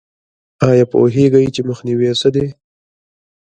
ایا پوهیږئ چې مخنیوی څه دی؟